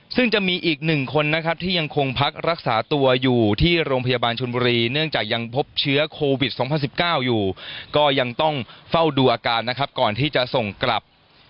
ซึ่งจะมีอีก๑คนนะครับที่ยังคงพักรักษาตัวอยู่ที่โรงพยาบาลชนบุรีเนื่องจากยังพบเชื้อโควิด๒๐๑๙อยู่ก็ยังต้องเฝ้าดูอาการนะครับก่อนที่จะส่งกลับ